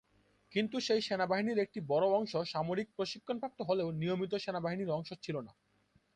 কিন্তু সেই সেনাবাহিনীর একটি বড়ো অংশ সামরিক প্রশিক্ষণপ্রাপ্ত হলেও নিয়মিত সেনাবাহিনীর অংশ ছিল না।